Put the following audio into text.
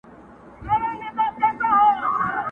په څه سپک نظر به گوري زموږ پر لوري٫